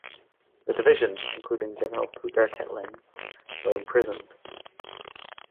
The division, including General Prugar-Ketling, were imprisoned.